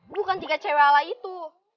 bukan tiga cewek itu